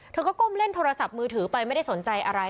เธอก็ก้มเล่นโทรศัพท์มือถือไปไม่ได้สนใจอะไร